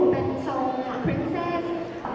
เป็นทรงพริงเซส